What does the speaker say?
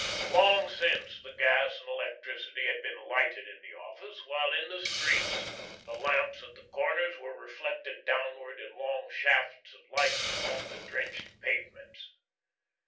Long since the gas and electricity had been lighted in the office, while in the streets the lamps at the corners were reflected downward in long shafts of light upon the drenched pavements.